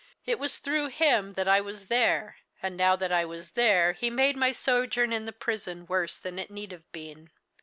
It was through him that I was there, and now that I was there he made my sojourn in the prison worse than it need have been.